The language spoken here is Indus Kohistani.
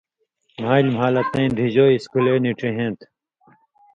مھالیۡ مھالہ تَیں دِھجو اِسکُلے نی ڇِہیں تھہ۔